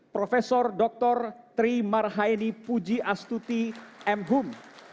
prof dr tri marhaini puji astuti m hum